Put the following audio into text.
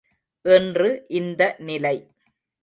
இன்று இந்த நிலை!